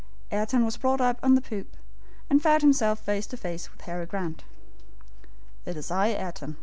Ayrton was brought up on the poop, and found himself face to face with Harry Grant. "It is I, Ayrton!"